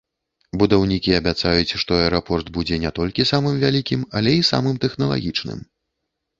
Будаўнікі абяцаюць, што аэрапорт будзе не толькі самым вялікім, але і самым тэхналагічным.